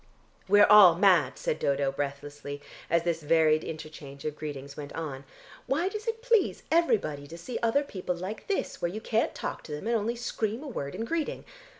"We're all mad," said Dodo breathlessly as this varied interchange of greetings went on. "Why does it please everybody to see other people like this, where you can't talk to them, and only scream a word in greeting?